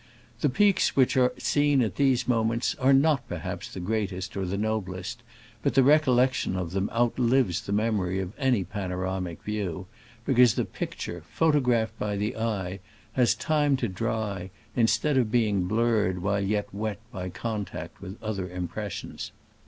The peaks which are seen at these moments are not perhaps the greatest or the noblest, but the recollec tion of them outlives the memory of any panoramic view, because the picture, photographed by the eye, has time to dry, instead of being blurred while yet wet by contact with other impressions.